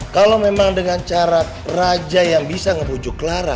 kalau memang dengan cara raja yang bisa ngebujuk clara